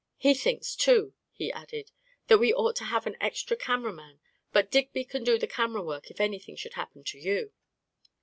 He thinks, too," he added, 11 that we ought to have an extra cameraman ; but Digby can do the camera work, if anything should happen to you."